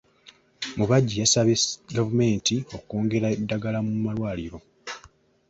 Mubajje yasabye gavumenti okwongera eddagala mu malwaliro.